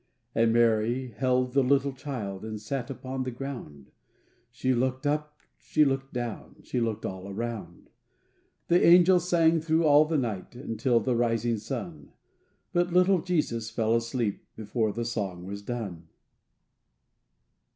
And Mary held the little child And sat upon the ground; She looked up, she looked down, She looked all around. The angels sang thro' all the night Until the rising sun, But little Jesus fell asleep Before the song was done.